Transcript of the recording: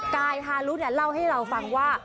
กายฮารุเล่าให้เราฟังว่า